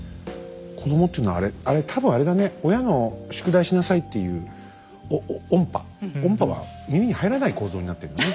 子どもっていうのは多分あれだね親の「宿題しなさい」っていう音波音波は耳に入らない構造になってんだね。